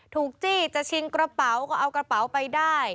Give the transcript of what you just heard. จี้จะชิงกระเป๋าก็เอากระเป๋าไปได้